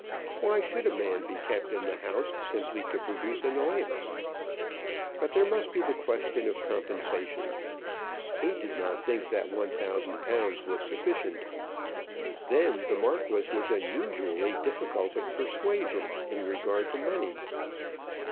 Why should a man be kept in the house simply to produce annoyance? But there must be the question of compensation. He did not think that £1000 was sufficient. Then the Marquis was unusually difficult of persuasion in regard to money.